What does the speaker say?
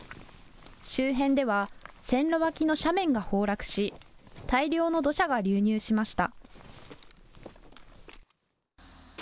周辺では線路脇の斜面が崩落し大量の土砂が流入しました。